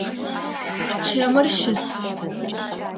Чэмыр щыс.